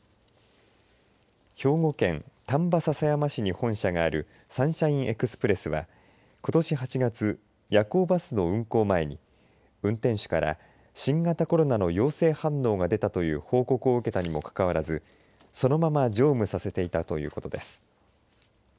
兵庫県丹波篠山市に本社があるサンシャインエクスプレスはことし８月夜行バスの運行前に運転手から新型コロナの陽性反応が出たという報告を受けたにもかかわらず、そのまま乗務させていたということです。